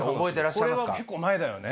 これは結構前だよね。